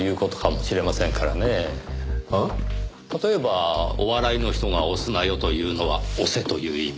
例えばお笑いの人が「押すなよ」というのは「押せ」という意味。